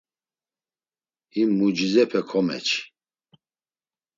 Him mucizepe komeçi.